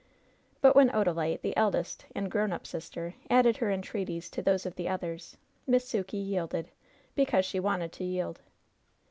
But when Odalite, the eldest and grown up sister, added her entreaties to those of the others, Miss Sukey yielded, because she wanted to yield.